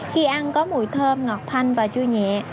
khi ăn có mùi thơm ngọc thanh và chua nhẹ